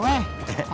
ke rumah pak herwe